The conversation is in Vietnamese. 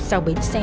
sau bến xe